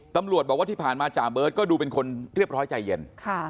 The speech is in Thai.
ตำรวจบอกว่าที่ผ่านมาจ่าเบิร์ตก็ดูเป็นคนเรียบร้อยใจเย็น